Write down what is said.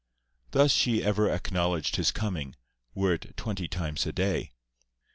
Thus she ever acknowledged his coming, were it twenty times a day.